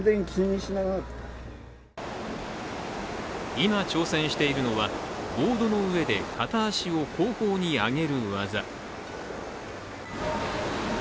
今、挑戦しているのはボードの上で片足を後方に上げる技。